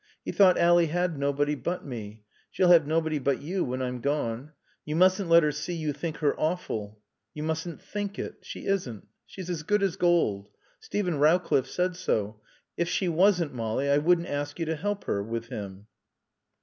He thought Ally had nobody but me. She'll have nobody but you when I'm gone. You mustn't let her see you think her awful. You mustn't think it. She isn't. She's as good as gold. Steven Rowcliffe said so. If she wasn't, Molly, I wouldn't ask you to help her with him."